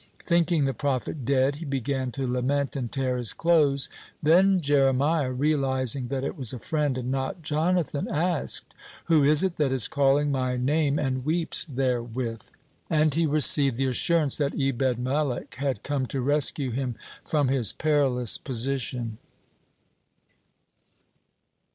Thinking the prophet dead, he began to lament and tear his clothes. Then Jeremiah, realizing that it was a friend, and not Jonathan, asked: "Who is it that is calling my name and weeps therewith?" and he received the assurance that Ebed melech had come to rescue him from his perilous position.